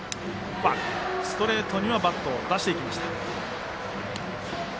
ストレートにはバットを出していきました。